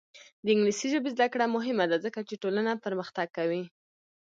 د انګلیسي ژبې زده کړه مهمه ده ځکه چې ټولنه پرمختګ کوي.